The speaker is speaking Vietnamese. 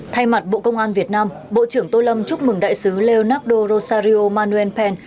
thay mặt bộ công an việt nam bộ trưởng tô lâm chúc mừng đại sứ leonardo rosario manuel pen